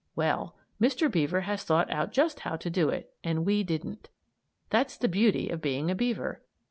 Well, Mr. Beaver has thought out just how to do it and we didn't. That's the beauty of being a beaver.